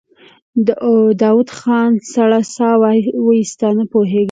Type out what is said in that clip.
داوود خان سړه سا وايسته: نه پوهېږم.